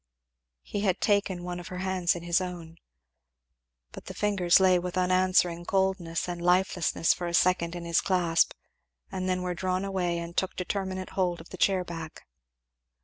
He had taken one of her hands in his own. But the fingers lay with unanswering coldness and lifelessness for a second in his clasp and then were drawn away and took determinate hold of the chair back.